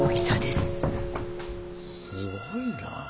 すごいな。